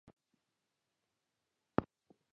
پښتو زموږ ویاړ او پېژندګلوي ده.